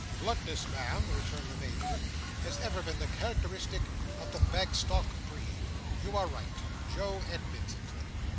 "Bluntness, Ma'am," returned the Major, "has ever been the characteristic of the Bagstock breed. You are right. Joe admits it."